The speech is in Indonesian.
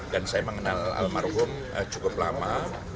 dan saya mengenal almarhum cukup lama